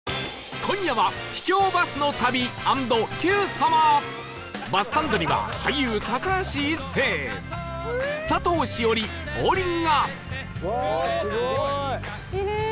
今夜は秘境バスの旅＆『Ｑ さま！！』バスサンドには俳優高橋一生佐藤栞里王林が